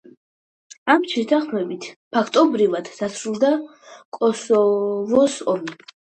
ამ შეთანხმებით ფაქტობრივად დასრულდა კოსოვოს ომი.